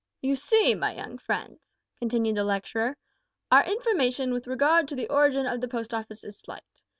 "You see, my young friends," continued the lecturer, "our information with regard to the origin of the Post Office is slight.